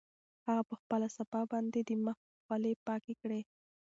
هغه په خپله صافه باندې د مخ خولې پاکې کړې.